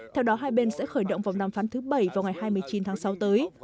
theo đó hai bên sẽ khởi động vòng đàm phán thứ bảy vào ngày hai mươi chín tháng sáu tới